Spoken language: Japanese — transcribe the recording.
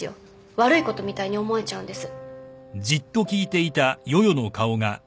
悪いことみたいに思えちゃうんです。